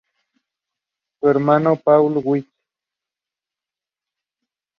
Su hermano es Paul Weitz.